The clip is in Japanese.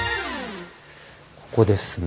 ここですね。